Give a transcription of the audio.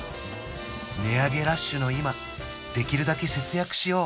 値上げラッシュの今できるだけ節約しよう